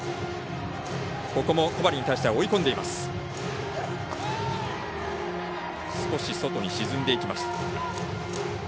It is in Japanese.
ここも小針に対して追い込んでいます。